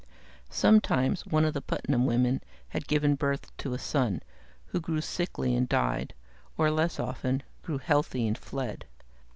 Sometimes one of the Putnam women had given birth to a son, who grew sickly and died, or less often, grew healthy and fled.